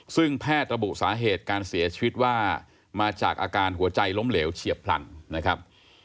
ซึ่งแพทย์ระบุสาเหตุการเสียชีวิตว่ามาจากอาการหัวใจล้มเหลวเฉียบพลันนะครับ